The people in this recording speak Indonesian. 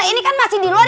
ini kan masih di luar